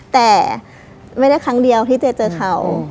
แต่ไม่ได้ครั้งเดียวที่เจ๊เจอเขา